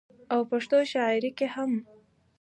او پښتو شاعرۍ کې هم